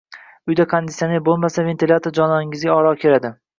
Uyda kondisioner bo`lmasa, ventilyator joningizga oro kiradi.